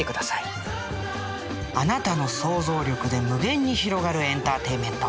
あなたの想像力で無限に広がるエンターテインメント。